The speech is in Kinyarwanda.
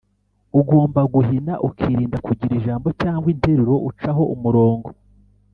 ugomba guhina, ukirinda kugira ijambo cyangwa interuro ucaho umurongo.